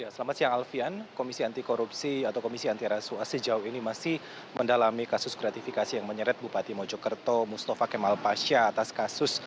selamat siang alfian komisi anti korupsi atau komisi anti rasuah sejauh ini masih mendalami kasus gratifikasi yang menyeret bupati mojokerto mustafa kemal pasha atas kasus